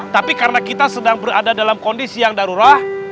tapi karena kita sedang berada dalam kondisi yang darurat